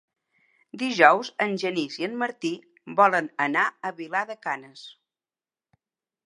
Dijous en Genís i en Martí volen anar a Vilar de Canes.